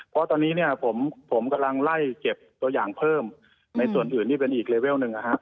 เพราะตอนนี้เนี่ยผมกำลังไล่เก็บตัวอย่างเพิ่มในส่วนอื่นที่เป็นอีกเลเวลหนึ่งนะครับ